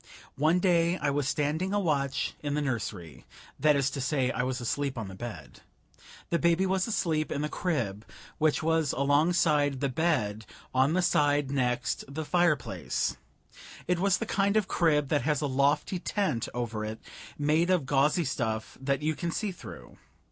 One day I was standing a watch in the nursery. That is to say, I was asleep on the bed. The baby was asleep in the crib, which was alongside the bed, on the side next the fireplace. It was the kind of crib that has a lofty tent over it made of gauzy stuff that you can see through.